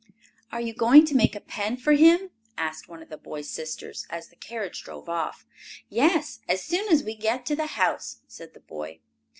"Are you going to make a pen for him?" asked one of the boy's sisters, as the carriage drove off. "Yes, as soon as we get to the house," said the boy.